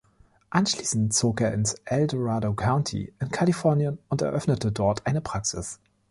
Anschließend zog er ins El Dorado County in Kalifornien und eröffnete dort eine Praxis.